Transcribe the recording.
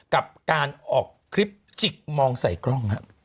กับการออกคลิปจิกมองใส่กล้อง